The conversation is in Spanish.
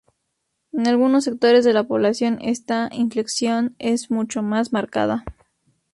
En algunos sectores de la población esta inflexión es mucho más marcada.